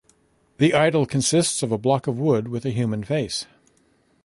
The idol consists of a block of wood with a human face.